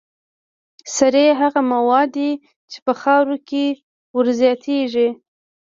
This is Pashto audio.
سرې هغه مواد دي چې په خاوره کې ور زیاتیږي.